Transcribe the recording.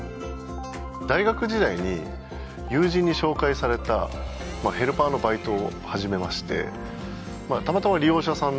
大学時代に友人に紹介されたヘルパーのバイトを始めましてたまたま利用者さん